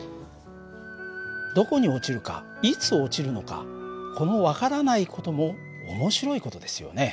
どこに落ちるかいつ落ちるのかこの分からない事も面白い事ですよね。